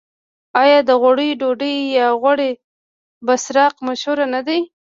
آیا د غوړیو ډوډۍ یا غوړي بسراق مشهور نه دي؟